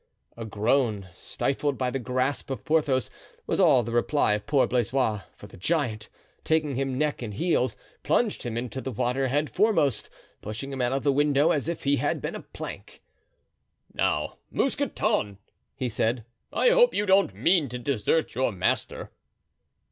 A groan, stifled by the grasp of Porthos, was all the reply of poor Blaisois, for the giant, taking him neck and heels, plunged him into the water headforemost, pushing him out of the window as if he had been a plank. "Now, Mousqueton," he said, "I hope you don't mean to desert your master?"